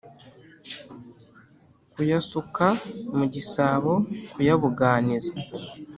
kuyasuka mu gisabo kuyabuganiza